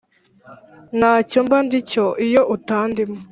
ntacyo mba ndi cyo iyo utandimo